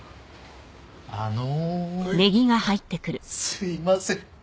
すいません。